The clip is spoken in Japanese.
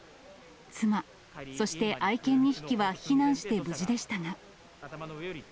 妻、そして愛犬２匹は避難して無事でしたが。